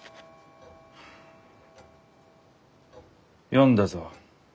読んだぞ。